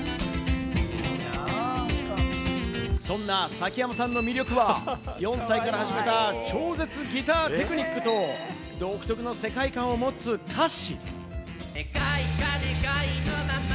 そんな崎山さんの魅力は４歳から始めた超絶ギターテクニックと独特の世界観を持つ歌詞。